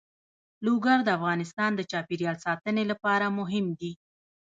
لوگر د افغانستان د چاپیریال ساتنې لپاره مهم دي.